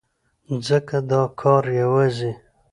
ځکه دا کار يوازې